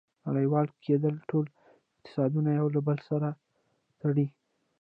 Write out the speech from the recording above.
• نړیوال کېدل ټول اقتصادونه یو له بل سره تړي.